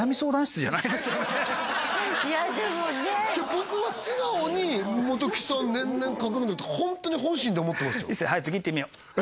僕は素直に本木さん年々かっこよくなるってホントに本心で思ってますよ